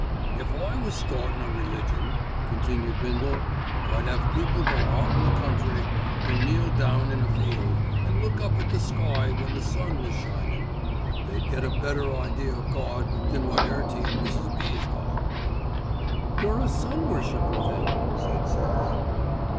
"If I was startin' a religion," continued Bindle, "I'd 'ave people go out in the country, an' kneel down in a field, an' look up at the sky when the sun was shinin'. They'd get a better idea o' Gawd than wot 'Earty and Mrs. B.'s got." "You're a sun worshipper then," said Sallie.